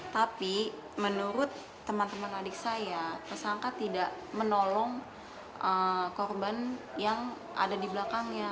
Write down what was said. tapi menurut teman teman adik saya tersangka tidak menolong korban yang ada di belakangnya